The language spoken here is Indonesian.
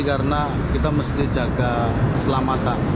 karena kita mesti jaga selamatan